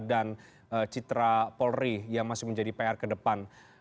dan citra polri yang masih menjadi pr ke depan